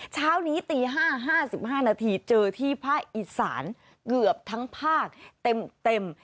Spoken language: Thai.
เช้านี้ตี๕๕นาทีเจอที่ภาคอีสานเกือบทั้งภาคเต็ม